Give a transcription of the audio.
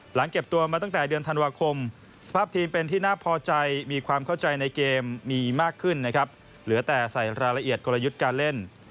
เก็บตัวมาตั้งแต่เดือนธันวาคมสภาพทีมเป็นที่น่าพอใจมีความเข้าใจในเกมมีมากขึ้นนะครับเหลือแต่ใส่รายละเอียดกลยุทธ์การเล่น